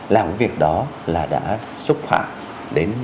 làm việc đó là đã xúc phạm đến